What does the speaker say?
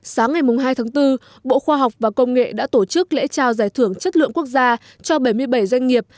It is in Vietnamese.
sáng ngày hai tháng bốn bộ khoa học và công nghệ đã tổ chức lễ trao giải thưởng chất lượng quốc gia cho bảy mươi bảy doanh nghiệp